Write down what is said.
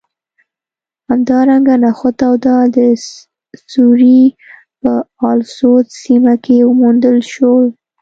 همدارنګه نخود او دال د سوریې په الاسود سیمه کې وموندل شول